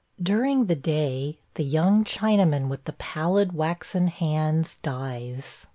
... During the day the young Chinaman with the pallid waxen hands dies.